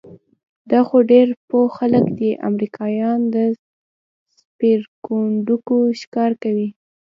دا خو ډېر پوه خلک دي، امریکایان د سپېرکونډکو ښکار کوي؟